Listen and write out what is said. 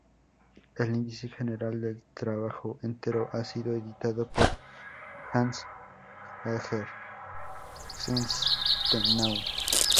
El índice general del trabajo entero ha sido editado por Hanns Jäger-Sunstenau.